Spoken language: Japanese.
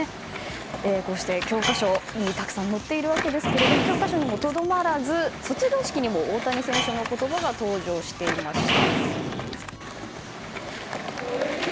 こうして教科書にたくさん載っているわけですが教科書にもとどまらず卒業式にも大谷選手の言葉が登場していました。